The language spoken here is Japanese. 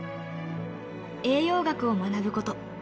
栄養学を学ぶこと。